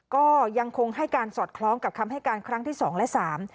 ก็ยังคงให้การสอดคล้องกับคำให้การครั้งที่สองและสาม